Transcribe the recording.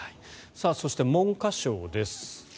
そして、文科省です。